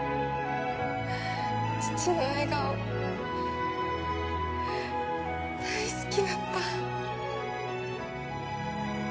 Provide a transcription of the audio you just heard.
父の笑顔大好きだった。